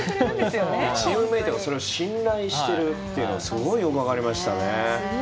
チームメートがそれを信頼しているのがすごいよく分かりましたね。